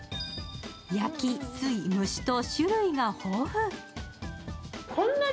焼き、水、蒸しと種類が豊富。